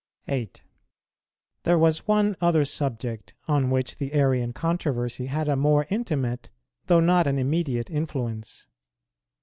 8. There was one other subject on which the Arian controversy had a more intimate, though not an immediate influence.